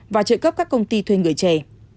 và trợ cấp các công ty thuê người trẻ